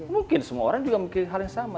mungkin semua orang juga mungkin hal yang sama